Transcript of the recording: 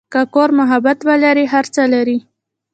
که کور محبت ولري، هر څه لري.